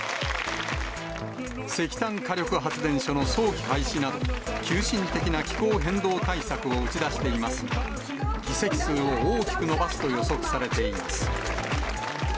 石炭火力発電所の早期廃止など、急進的な気候変動対策を打ち出していますが、議席数を大きく伸ばすと予測されています。